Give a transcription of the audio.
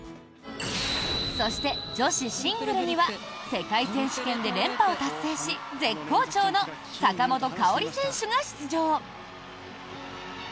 そして、女子シングルには世界選手権で連覇を達成し絶好調の坂本花織選手が出場。